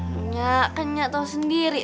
nnya kan nnya tau sendiri